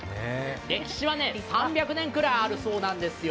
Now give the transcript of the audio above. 歴史は３００年くらいあるそうなんですよ。